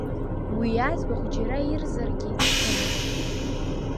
Уи аӡбахә џьара ирзаргьы иҭахымызт.